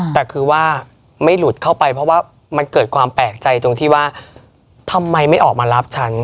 แต่คือว่าไม่หลุดเข้าไปเพราะว่ามันเกิดความแปลกใจตรงที่ว่าทำไมไม่ออกมารับฉัน